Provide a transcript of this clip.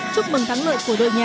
chúc mừng thắng lợi